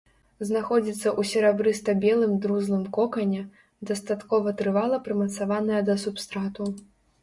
Знаходзіцца ў серабрыста-белым друзлым кокане, дастаткова трывала прымацаваная да субстрату.